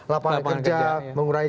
lapangan kerja mengurangi